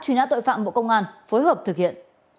truy nã tội phạm bộ công an phối hợp thực hiện